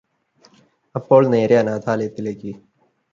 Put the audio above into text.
അപ്പോൾ നേരെ അനാഥാലയത്തിലേക്ക്